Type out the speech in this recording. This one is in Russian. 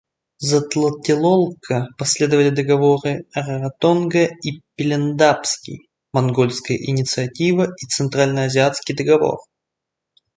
За Тлателолко последовали договоры Раротонга и Пелиндабский, монгольская инициатива и центральноазиатский Договор.